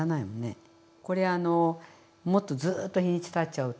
これあのもっとずっと日にちたっちゃうと。